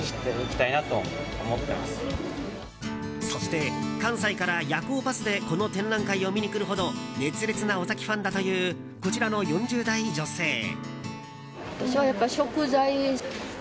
そして関西から夜行バスでこの展覧会を見に来るほど熱烈な尾崎ファンだというこちらの４０代女性。